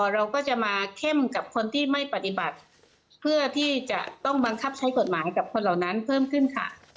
เราก็จะมาเข้มกับคนที่ไม่ปฏิบัติเพื่อที่จะต้องบังคับใช้กฎหมายกับคนเหล่านั้นเพิ่มขึ้นค่ะ